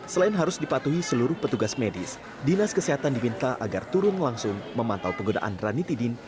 selain harus dipatuhi seluruh petugas medis dinas kesehatan diminta agar turun langsung memantau penggunaan ranitidin